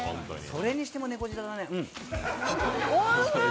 それにしても猫舌だね。